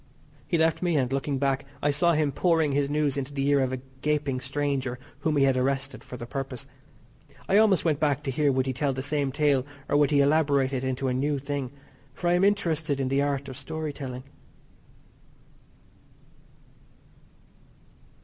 He left me, and, looking back, I saw him pouring his news into the ear of a gaping stranger whom he had arrested for the purpose. I almost went back to hear would he tell the same tale or would he elaborate it into a new thing, for I am interested in the art of story telling.